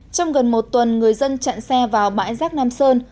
trong gần một tuần người dân chặn xe vào bãi rác nam sơn